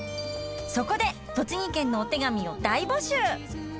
そこで栃木県のお手紙を大募集。